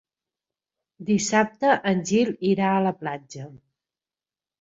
Dissabte en Gil irà a la platja.